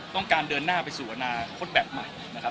ต้องการเดินหน้าไปสู่อนาคตแบบใหม่นะครับ